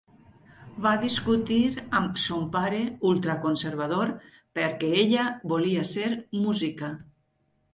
Va discutir amb son pare, ultraconservador, perquè ella volia ser música.